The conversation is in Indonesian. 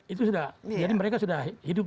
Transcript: itu sudah jadi mereka sudah hidup